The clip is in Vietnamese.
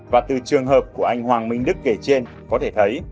và từ trường hợp của anh hoàng minh đức kể trên có thể thấy